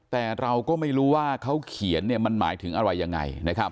แต่เราก็ไม่รู้ว่าเขาเขียนมันหมายถึงอะไรยังไง